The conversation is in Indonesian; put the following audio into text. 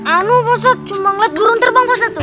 anu pak ustadz cuma ngeliat gurung terbang pak ustadz tuh